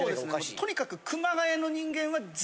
とにかく。